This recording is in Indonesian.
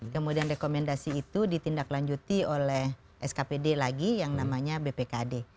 kemudian rekomendasi itu ditindaklanjuti oleh skpd lagi yang namanya bpkd